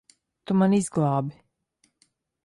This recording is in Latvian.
Tu mani izglābi.